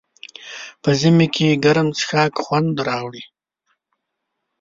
په ژمي کې ګرم څښاک خوند راوړي.